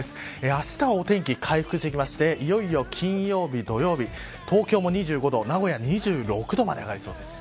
あしたは、お天気回復してきていよいよ金曜日、土曜日東京も２５度、名古屋は２６度まで上がりそうです。